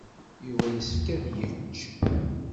Yuba yessefk ad yečč.